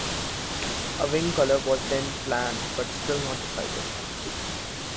A wing colour was then planned but still not decided.